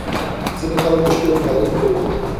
• ځینې خلک د شپې عبادت کوي.